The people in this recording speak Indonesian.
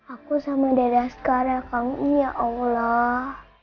aku sama dada sekarang ya allah